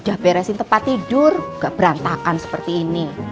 udah beresin tempat tidur gak berantakan seperti ini